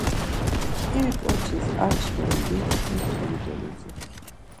İr ǩoçis ar çxindi, jur toli doludzin.